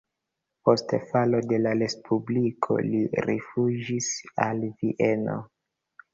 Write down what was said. Post falo de la respubliko li rifuĝis al Vieno.